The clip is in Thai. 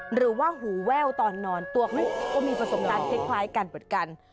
หรือว่าหูแว่วตอนนอนตัวก็มีประสบการณ์คล้ายกันเหมือนกัน